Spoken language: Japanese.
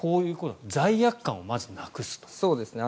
罪悪感をまずなくすと。